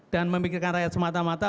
dan memikirkan rakyat semata mata